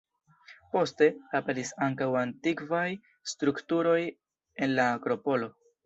Poste, aperis ankaŭ antikvaj strukturoj en la akropolo.